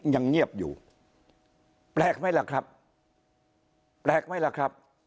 ยังเงียบอยู่แปลกไหมล่ะครับแปลกไหมล่ะครับ